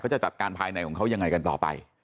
จะจัดการภายในของเขายังไงกันต่อไป